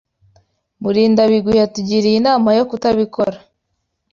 Murindabigwi yatugiriye inama yo kutabikora.